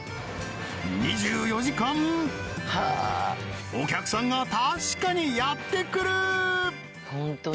２４時間お客さんが確かにやってくる！